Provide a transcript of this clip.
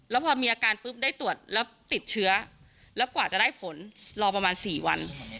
แล้วพอมีอาการปุ๊บได้ตรวจแล้วติดเชื้อแล้วกว่าจะได้ผลรอประมาณ๔วัน